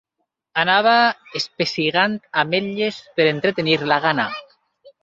Anava espessigant ametlles per entretenir la gana.